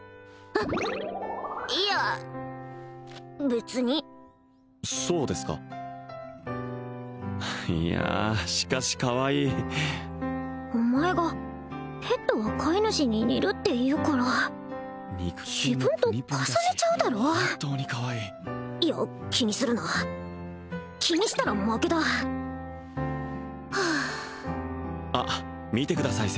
あいや別にそうですかいやしかしかわいいお前がペットは飼い主に似るって言うから自分と重ねちゃうだろういや気にするな気にしたら負けだはああっ見てください